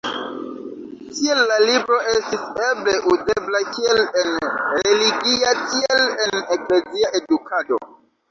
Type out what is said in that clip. Tiel la libro estis eble uzebla kiel en religia, tiel en eklezia edukado.